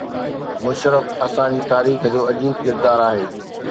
مشرف اسان جي تاريخ جو عجيب ڪردار آهي.